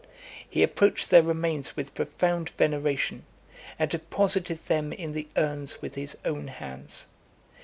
He approached their remains with profound veneration, and deposited them in the urns with his own hands.